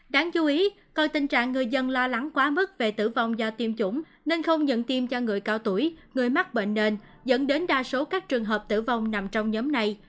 đáng chú ý còn tình trạng người dân lo lắng quá mức về tử vong do tiêm chủng nên không nhận tiêm cho người cao tuổi người mắc bệnh nền dẫn đến đa số các trường hợp tử vong nằm trong nhóm này